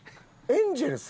エンジェルス。